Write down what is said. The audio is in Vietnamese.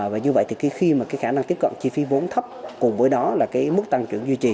và như vậy thì khi khả năng tiếp cận chi phí vốn thấp cùng với đó là mức tăng trưởng duy trì